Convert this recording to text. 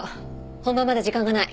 本番まで時間がない。